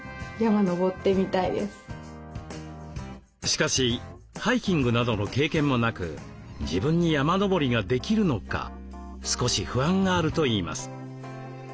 しかしハイキングなどの経験もなく自分に山登りができるのか少し不安があるといいます。